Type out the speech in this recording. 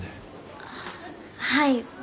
はい。